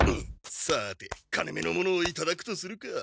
さて金めのものをいただくとするか。